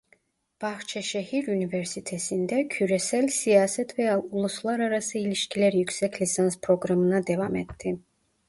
Bahçeşehir Üniversitesi'nde Küresel Siyaset ve Uluslararası İlişkiler Yüksek Lisans programına devam etti.